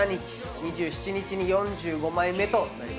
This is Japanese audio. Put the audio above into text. ２７日に４５枚目となります